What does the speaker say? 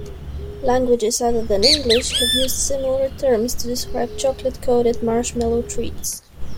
Languages other than English have used similar terms to describe chocolate-coated marshmallow treats.